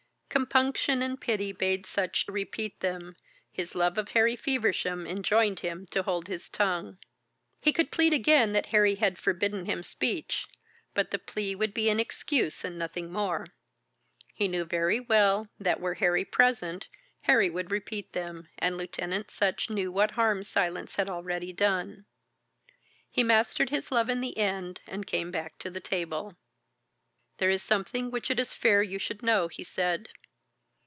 Compunction and pity bade Sutch repeat them, his love of Harry Feversham enjoined him to hold his tongue. He could plead again that Harry had forbidden him speech, but the plea would be an excuse and nothing more. He knew very well that were Harry present, Harry would repeat them, and Lieutenant Sutch knew what harm silence had already done. He mastered his love in the end and came back to the table. "There is something which it is fair you should know," he said.